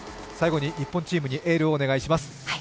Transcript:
最後に日本チームにエールをお願いします。